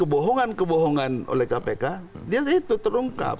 kebohongan kebohongan oleh kpk dia itu terungkap